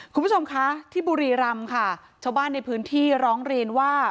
คุณผู้ชมคะที่บุรีรำค่ะชาวบ้านในพื้นที่ร้องเรียนว่า